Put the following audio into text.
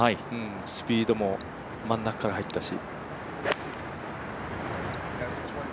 スピードも真ん中から入ったし。